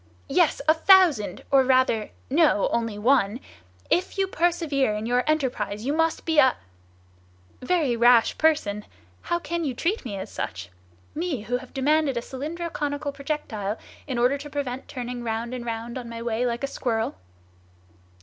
"Yes, a thousand; or rather, no, only one! If you persevere in your enterprise, you must be a—" "Very rash person! How can you treat me as such? me, who have demanded a cylindro conical projectile, in order to prevent turning round and round on my way like a squirrel?"